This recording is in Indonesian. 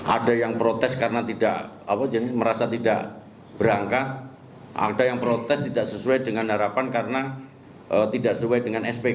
ada yang protes karena tidak merasa tidak berangkat ada yang protes tidak sesuai dengan harapan karena tidak sesuai dengan spk